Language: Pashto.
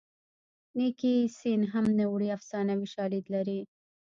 نیکي سین هم نه وړي افسانوي شالید لري